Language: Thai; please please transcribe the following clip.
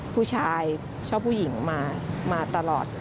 ผู้ชายชอบผู้หญิงมาตลอด